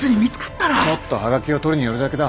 ちょっとはがきを取りに寄るだけだ。